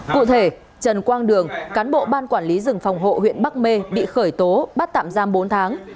cụ thể trần quang đường cán bộ ban quản lý rừng phòng hộ huyện bắc mê bị khởi tố bắt tạm giam bốn tháng